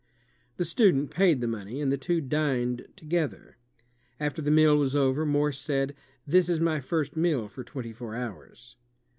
The student paid the money, and the two dined to gether. After the meal was over Morse said, "This is my first meal for twenty four hours."